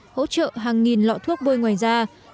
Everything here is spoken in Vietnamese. hỗ trợ hàng nghìn lọ thuốc bôi ngoài da